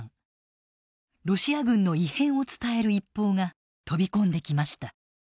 ロシア軍の異変を伝える一報が飛び込んできました。